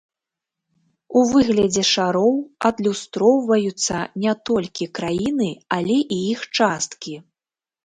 У выглядзе шароў адлюстроўваюцца не толькі краіны, але і іх часткі.